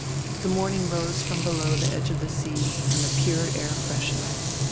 The morning rose from below the edge of the sea and the pure air freshened....